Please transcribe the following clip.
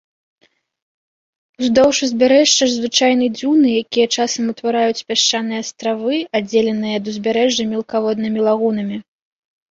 Уздоўж узбярэжжа звычайны дзюны, якія часам утвараюць пясчаныя астравы, аддзеленыя ад узбярэжжа мелкаводнымі лагунамі.